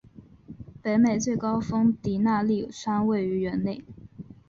北美最高峰迪纳利山位于园内。